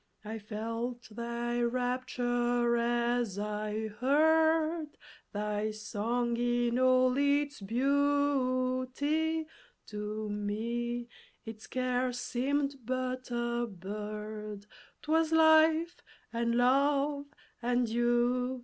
I felt thy rapture as I heard Thy song in all its beauty; To me it scarce seemed but a bird; 'Twas life, and love, and duty!